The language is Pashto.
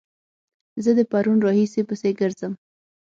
زه د پرون راهيسې پسې ګرځم